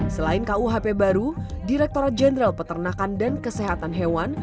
selain kuhp baru direkturat jenderal peternakan dan kesehatan hewan